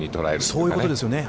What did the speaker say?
そういうことですよね。